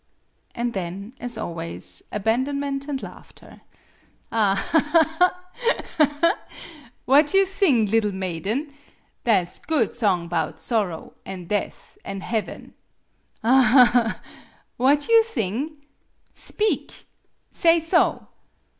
And then, as always, abandonment and laughter. "Aha, ha, ha! Aha, ha, ha! What you thing, liddle maiden ? Tha' 's good song 'bout sorrow, an' death, an' heaven ? Aha, ha, ha! What you thing? Speak! Say so!"